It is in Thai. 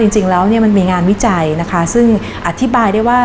จริงแล้วมันมีงานวิจัยซึ่งอธิบายได้ว่า